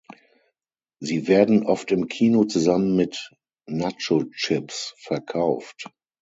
Sie werden oft im Kino zusammen mit Nacho-Chips verkauft.